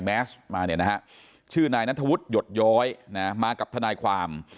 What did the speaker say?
แมสมาเนี่ยนะฮะชื่อนายนัทธวุฒิหยดย้อยมากับทนายความ